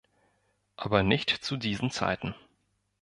Aber nicht zu diesen Zeiten.